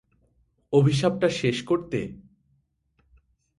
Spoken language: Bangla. অভিশাপ টা শেষ করতে?